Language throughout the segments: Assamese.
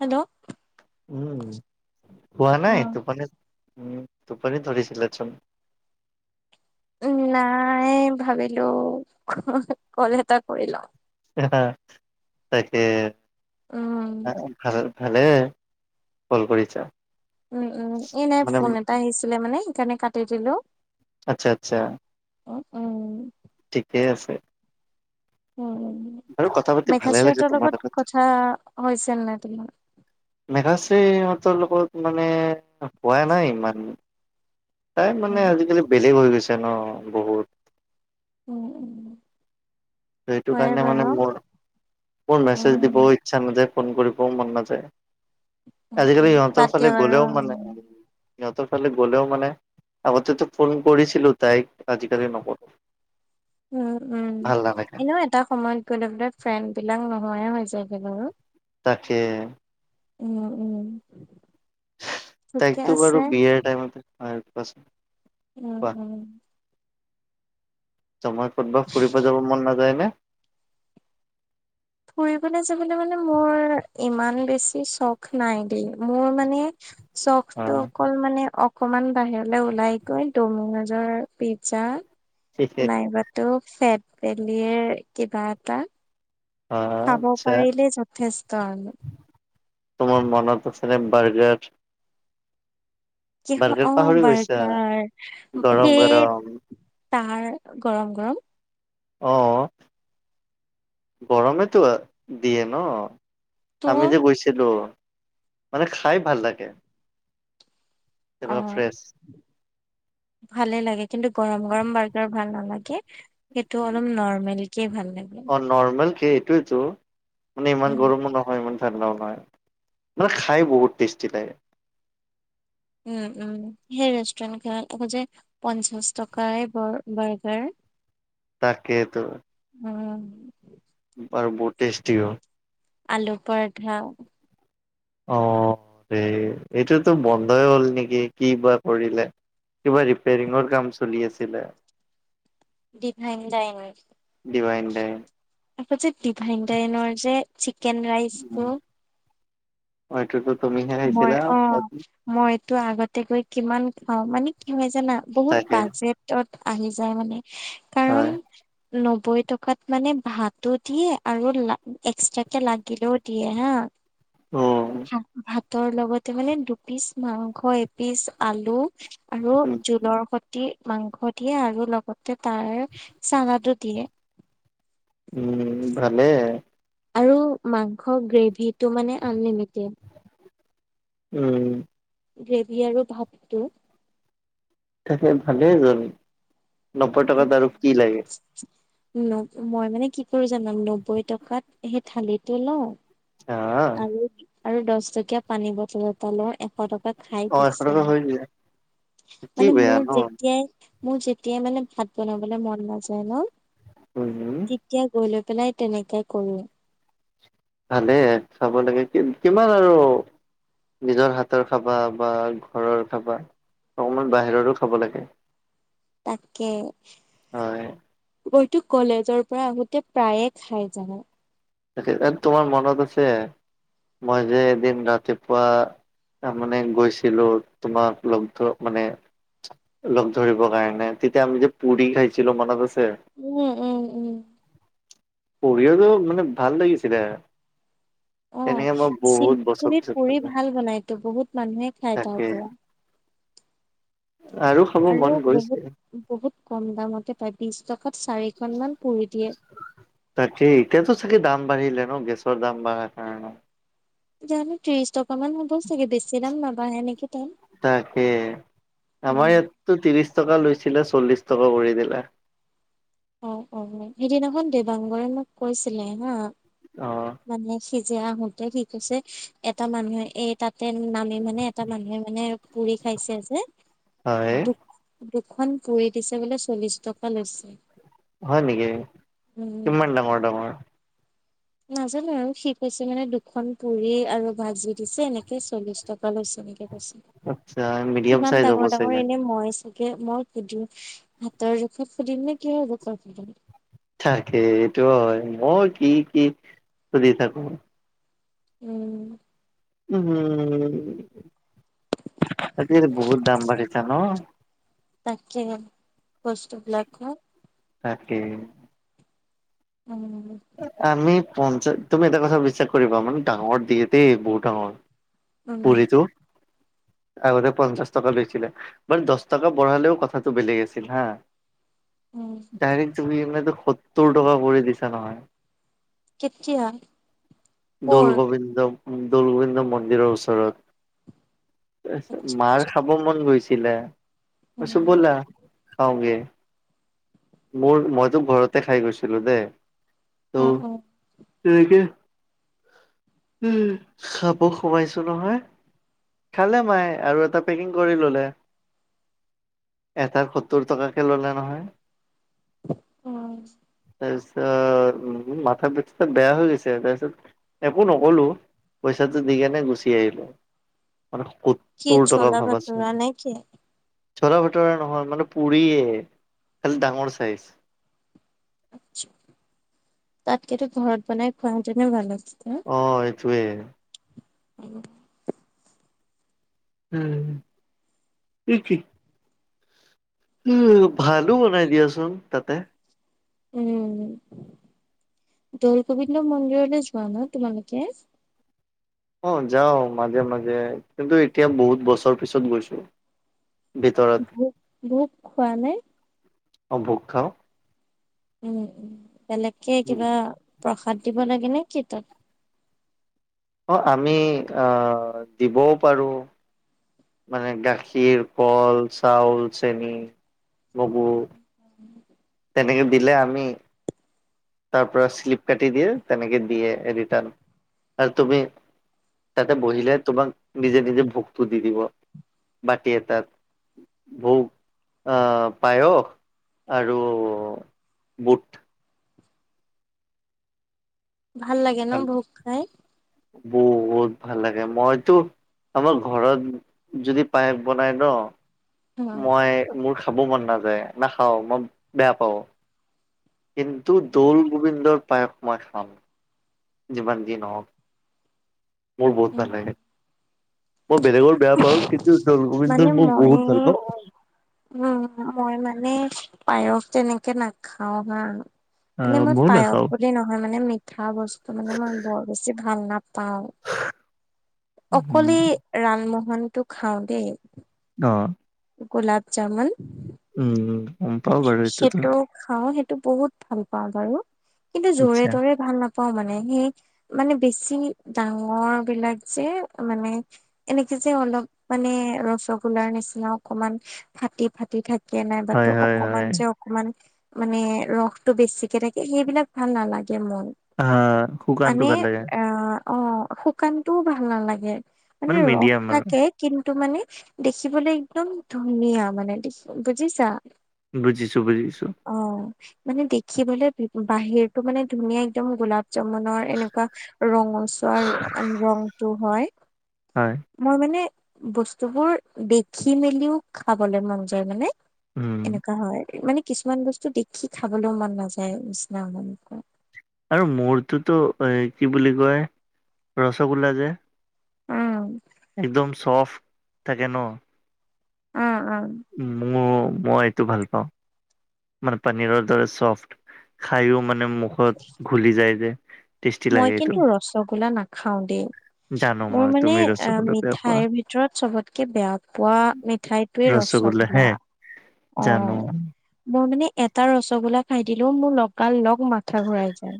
হেল্ল' উম হোৱা নাই টোপনি তোপ ধৰি চিলেকচ [unintelligible] নাই ভাবিলো কলটা কৰি লওঁ তাকে উম ভ ভালে কল কৰিছা উম, উম এ নাই মানে ফোন এটা আহিছিলে মানে সেইকাৰণে কাটি দিলো আচ্ছা আচ্ছা অ', উ ঠিকেই আছে উ বাৰু কথা পাতি মেখা ভালে লাগে চৰিতৰ তোমাৰ লগত কথা হৈছিল নাই তোমাৰ মেঘাশ্ৰীহঁতৰ লগত মানে হোৱা নাই ইমান তাই মানে উম আজিকালি বেলেগ হৈ গৈছে ন বহুত উম, উম ত সেইটো হয়ে কাৰণে বাৰু মানে মোৰ মোৰ মেছেজ দিব উম ইচ্ছা ন যে ফোন কৰিবও মন নাযায় উম উম আজিকালি বাদ ইিহঁতৰ দিয়া ফালে বাৰু গ'লেও মানে সিহঁতৰ ফালে গ'লেও মানে আগতেতো ফোন কৰিছিলো তাইক আজিকালি নকৰো উম, উম ভাল নালাগে এনে এটা সময়ত গ'লে বোলে ফ্ৰেণ্ড বিলাক নোহোয়াই হৈ যায়গ আৰু তাকে উম, উম ঠিকে তাইকতো আছে বাৰু বিয়া টাইমতে পচ উম, উম জয় ক'তবা ফুৰিব যাব মন নাযায় নে ফুৰিবলৈ যাবলৈ মানে মোৰ ইমান বেছি চখ নাই দেই মোৰ মানে চখ টো অ', অকল মানে অকমান বাহিৰলে ওলাই গৈ দমিনজৰ পিজ্জা ঠিকে। নাইবাতো ফেটবেলিৰ কিবা এটা অ', খাব আচ্ছা পাৰিলে যথেষ্ট আৰু তোমাৰ মনত আছিলনে বাৰগাৰ কিহ অ', গৈছা বাৰ্গাৰ গৰম সেই গৰম তাৰ গৰম, গৰম আহ গৰমেতো দিয়ে ন তো আমি যে গৈছিলো মানে খাই ভাল লাগে তেনেকুৱা অ', ফ্ৰেছ ভালেই লাগে কিন্তু গৰম গৰম বাৰ্গাৰ ভাল নালাগে সেইটো অলপ নৰ্মেলকে ভাল লাগে সতো মানে ইমান উম। গৰমো নহয় মান নহয় মানে খাই বহুত টেষ্টি লাগে উম, উম সেই ৰেষ্টুৰেণ্ট খনত আ যে পঞ্চাশ টকাই বাৰ্গাৰ [inaudible] তাকেতো উম আৰু বহুত টেষ্টিও। আলু পৰঠা অঁ, ৰে এইটোতো বন্ধই হ'ল নেকি কি বা কৰিলে। কিবা ৰিপেৰিঙৰ কাম চলি আছিলে। দিভাইন দাইমন। দিভাইন দাইম। তপ যে ডিভাইনটনৰ যে চিকেন ৰাইচটো হয়টোটো মই অ', মইটো আগতে কৈ কিমান খাওঁ মানে কি হয় জানা বহুত তাকে বাজেটত আহি যায় মানে কাৰণ হয় নব্বৈ টকাত মানে ভাতো দিয়ে আৰু এক্সট্ৰাকে লাগিলেও দিয়ে হা অ'। ভাত ভাতৰ লগতে মানে দুপিচ মাংস এপিচ আলু আৰু জোলৰ সতি মাংস দিয়ে আৰু লগতে তাৰ চানাটো দিয়ে। উম, ভালেই। আৰু মাংস গ্ৰেভিটো মানে আনলিমিটেড। উম। গ্ৰেভি আৰু ভাতটো। তাকে ভালেইচোন, নব্বৈ টকাত আৰু কি লাগে। মই মানে কি কৰো জানা নব্বৈ টকাত সেই থালিটো লওঁ আহ। আৰু আৰু দশ টকীয়া পানী বটল এটা লওঁ এশ টকাত খাই [unintelligible] অ', এশ টকা হৈ যায় কি মানে বেয়া ন। মোৰ যেতিয়াই মোৰ যেতিয়াই মানে ভাত বনাবলে মন নাযায় ন, উম, তেতিয়াই গৈ লৈ পেলাই তেনেকে কৰো। ভালে চাব লাগে কি কিমান আৰু নিজৰ হাতৰ খাবা বা ঘৰৰ খাবা। অকণমান বাহিৰৰো খাব লাগে। তাকে। হয়। মইটো কলেজৰ পৰা আহোতে প্ৰায়ে খাই জানা। তাকে তোমাৰ মনত আছে, মই যে এদিন ৰাতিপুৱা তা মানে গৈছিলো তোমাক লগ ধৰ মানে লগ ধৰিবৰ কাৰণে তেতিয়া আমি যে পুৰি খাইছিলো মনত আছে? উম উম উম। পুৰি আৰু মানে ভাল লাগিছিলে। [inaudible] অ তেনেকে মই বহুত বছৰ শিলপুখুৰীত পিছত পুৰি খালো ভাল বনাইতো বহুত মানুহে খাই তাৰ তাকে পৰা। খাব আৰু মন গৈছে বহুত বহুত কম দামতে পায় বিশ টকাত চাৰি [inaudible] তাকেই, তাৰপিছত চাগে দা দাম বাঢ়িলেনো গেছৰ দাম বাঢ়া কাৰ জানো ত্ৰিশ টকা মান হ'ব চাগে বেছি দাম নাবাঢ়ে নেকি? তাত। তাকে উম, আমাৰ ইয়াতটো ত্ৰিশ টকা লৈছে ছিলে চল্লিশ টকা কৰি দিলে। অ অ সেইদিনাখন দেৱাংগৰে মোক কৈছিলে হা অ মানে সিজিৰা আহোতে কি কৈছে এটা মানুহে এই তাতে নামি মানে এটা মানুহে মানে পুৰি খাইছে যে, হয় দুখ দু খন পুৰি দিছে বোলে চল্লিশ টকা লৈছে। হয় নেকি? উম কিমান ডাঙৰ ডাঙৰ। নাজানো আৰু শিকিছে মানে দুখন পুৰি আৰু ভাজি দিছে। এনেকে চল্লিশ টকা লৈছে নেকি? আচ্ছা মিডিয়াম যিমান চাইজ হ'ব ডাঙৰ ডাঙৰ চাগে। এনে মহ [unintelligible] মই সুধিম হাতৰ জোখত সুধিম নে কি জোখত সুধিম। থাকে এইটো হয় মই কি কি সুধি থাকো। [inaudible] উ আজি বহুত দাম বাঢ়িছ ন'। তাকে বস্তুবিলাক তাকেই। উম আমি পঞ্চ, তুমি এটা কথা বিশ্বাস কৰিবা মানে ডাঙৰ দিয়ে দেই বহুত ডাঙৰ। উম। পুৰিটো আগতে পঞ্চাশ টকা লৈছিলে বাৰু দশ টকা বঢ়ালেও কথাটো বেলেগ আছিল হা। উম ডাইৰেক্ট জুমি [unintelligible] সত্তৰ টকা কৰি দিছা নহয়। কেতিয়া [inaudible] কৰ দৌলগোবিন্দ দৌল গোবিন্দ মন্দিৰৰ ওচৰত, তাৰপিছত আচ্ছা মাৰ আচ্ছা খাব মন গৈছে। দিলে মই কৈছো উম ব'লা খাওঁ গে মোৰ মইতো ঘৰতে খাই গৈছিলো দেই। ত' অ, অ'। তেনেকে উম, খাব সোমাইছো। নহয় খালে মায়ে আৰু এটা পেকিং কৰি ল'লে। এটাৰ সত্তৰ টকাকে ললে নহয়। অ'। তাৰপিছত উ মাথা পথ বেয়া হৈ গৈছে তাৰপিছত একো নকলো পইচাটো দি কেনে গুচি আহিলো। মানে কি সত্তৰ টকা চলা ভাব আছিলো। ভাতুৰা নে কি চলা ভতৰা নহয় মানে পুৰিয়ে খালি ডাঙৰ চাইজ। তাতকেতো ঘৰত বনাই খুৱাওঁতে নে ভাল আছিল। অ এইটোৱেই। উম [unintelligible] উম কি কি? উ, ভালো বনাই দিয়াচোন তাতে, উম। দৌল গোবিন্দ মন্দিৰলৈ যোৱা ন তোমালোকে? অ যাওঁ মাজে মাজে। কিন্তু এতিয়া বহুত বছৰ পিছত গৈছো। ভিতৰত ভোক ভোক খোৱা নে? অ ভোক খাওঁ। উম উ বেলেগকে কিবা, প্ৰসাদ দিব লাগে নে কি তাত? অঁ আমি দিবও পাৰোঁ। মানে গাখীৰ, কল, চাউল, চেনি, মগু, তেনেকে দিলে আমি, তাৰ পৰা স্লিপ কাটি দিয়ে, তেনেকে দিয়ে ৰিটাৰ্ন আৰু তুমি, তাতে বহিলে তোমাক নিজে নিজে ভোকটো দি দিব। বাটি এতাত ভূক, অ পায়খ, আৰু বুট, ভাল লাগে ন ভোক খাই। বহুত ভাল লাগে। মইতো আমাৰ ঘৰত যদি পায়খ বনাই ন, উম, মই মোৰ খাব মন নাযায়, নাখাওঁ মই বেয়া পাওঁ। কিন্তু দৌল গোবিন্দৰ, পায়কমাৰ খান জমানন যি ন? মোৰ বহুত উম। ভাল লাগে মই বেলেগৰ বেয়া পাওঁ কিন্তু মানে গোবিন্দৰ মোৰ মই বহুত ভাল পাওঁ উম মই মানে পায়স তেনেকে নাখাও হা মানে আহ মই ময়ো পায়স নাখাও বুলি নহয় মানে ম খ বস্তু মানে মান ব বছি ভাল ন পাও উম অকলেই ৰানমোহনটো খাওঁ দেই অ গুলব জামুন উম হম্পাৱও বাৰট তো। সেইটো খাওঁ, সেইটো বহুত ভাল পাওঁ বাৰু কিন্তু জোৰে আচ্ছা তোৰে ভাল নাপাওঁ। পা মানে সেই মানে বেছি ডাঙৰ বিলাক যে মানে এনেকে যে অলপ মানে ৰসগোল্লাৰ নিচিনা অকমান ফাটি ফাটি থাকে নাই। হয় হয় অকমান হয় যে অকমান মানে ৰসটো বেছিকে থাকে সেইবিলাক ভাল নালাগে। কে ম আহ ম শুকানটো ভাল লাগে আ। অ শুকান টোও ভাল নালাগে মানে ৰস মিডিয়াম আৰু থাকে কিন্তু, টো মানে দেখিবলৈ একদম ধুনীয়া মানে দেি বুজিছা বুজিছো বুজিছো অ মানে দেখিবিবলৈ বাহিৰতটো মানে ধুনীয়া একদম গোলাপ জমৰ এনেকুৱা ৰঙচুৱা ৰংটো হয় হয় মই মানে বস্তুবোৰ দেখি মেলিও খাবলৈ মন যায় মানে উম এনেকুৱা হয় মানে কিছুমান বস্তু দেখি খাবলৈও মন নাযায় নিচিনা ম আৰু মূৰটোতো এ কি বুলি কয় ৰসগোল্লা যে উম একদম চফট থাকে নো অ অ ম ভাল মান খ ম মানে মুখত ঘুলি যায় যে টেষ্টি মই লাগে এইটো কিন্তু ৰসগোল্লা নাখাও দেই জানো মোৰ মই মানে তুমি অ ৰসগোল্লা বেয়া পোৱা মিঠাইৰ ভিতৰত চবতকে বেয়া পোৱা মিঠাইটয়ে ৰখ ৰসগোল্লা চবা হে অ জানো মই মানে এটা ৰসগোল্লা খাই দিলো মোৰ লগাল লগ মাথা ঘুৰাই যায়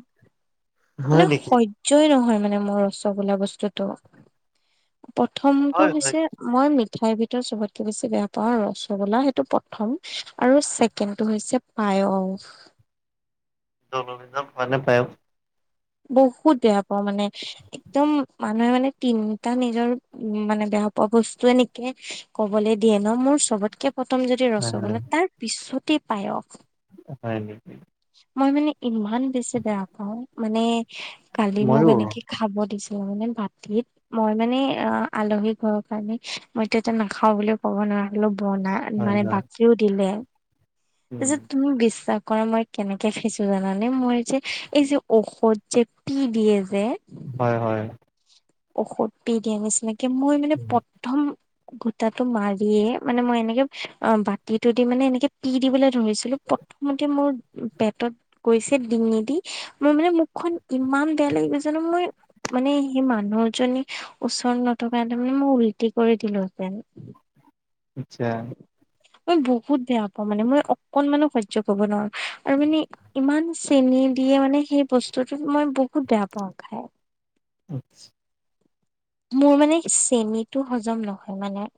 মানে হয় নেকি সহ্য়ই নহয় মানে মোৰ ৰসগোল্লা বস্তুটো প্ৰথমটো হয় হয় হৈছে মই মৃত িঠাইৰ ভিতৰত চবতকে বেছি বেয়া পাওঁ ৰসগোলা সেইটো প্ৰথম আৰু চছেকেণ্ড টো হৈছে প আহ জ ম পায় বহুত বেয়া পাওঁ মানে একদম মানুহে মানে তিনটা নিজৰ উ মানেে ব পোৱা বস্তু এ নকে কবলৈ দিয়ে ন মোৰ চবতকে প্ৰথম যদি ৰস হয় বোলাই তাৰ পিছতে পায়স হয় ন মই মানে ইমান বেছি বেয়া পাও মানে কালি মোক ময়ো এনেকে খাব দিছ মানে ভতিত মই মানে অ আলহী ঘৰৰ কাৰণে মইয়ায়া নাখাও বুলিও ক'ব নোৱাৰো বন হয় মানে হয় বাকিও দিলে তাৰপিছত তুমি বিশ্বাস কৰা মই কেনেকে খাইছো জানানে মই যে এই যে ঔষধ যে পি দিয়ে যে হয় হয় ঔষধ পি দিয়া নিচিনাকে মই মানে প্ৰথম গোটাটো মাৰিয়ে মানে মই এনেকে অ বাতিটো দি মানে এনেকে পি দিবলৈ ধৰিছিলো প্ৰথমতে মোৰ পেটত গৈছে ডিঙি দি মোৰ মানে মুখখনন ইমান বেয়া লাগিব জানো মই মানে সিমান মানুহজনী ওচৰ নথকা তাৰ মানে মই উল্টি কৰি দিলোহেঁতেন আচ্ছা মই বহুত বেয়া পাওঁ মানে মই অকনমানো সহ্য় কৰিব নোৱাৰো আৰু মানে ইমান চেনী দিয়ে মানে সেই বস্তুটো মই বহুত বেয়া পাওঁ খাই অ মোৰ মানে চেনীটো হজম নহয় মানে